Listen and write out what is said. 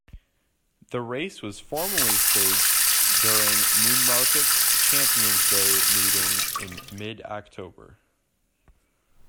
The race was formerly staged during Newmarket's Champions' Day meeting in mid-October.